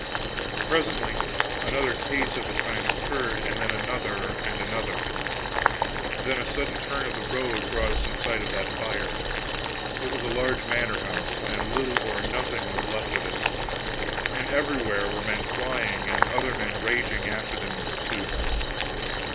Presently another case of the kind occurred, and then another and another. Then a sudden turn of the road brought us in sight of that fire it was a large manor house, and little or nothing was left of it and everywhere men were flying and other men raging after them in pursuit.